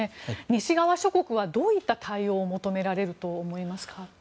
西側諸国はどういった対応を求められると思いますか。